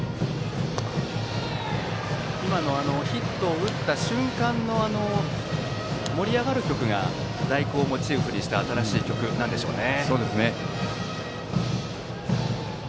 今のヒットを打った瞬間の盛り上がる曲が「第九」をモチーフにした新しい曲なんでしょうね。